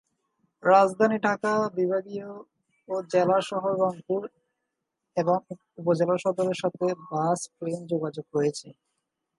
রাজধানী ঢাকা, বিভাগীয় ও জেলা শহর রংপুর এবং উপজেলা সদরের সাথে বাস, ট্রেন যোগাযোগ রয়েছে।